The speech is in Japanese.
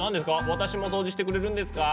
私も掃除してくれるんですか？